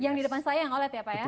yang di depan saya yang oled ya pak ya